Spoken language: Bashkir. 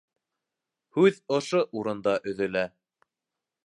Һүҙ ошо урында өҙөлә.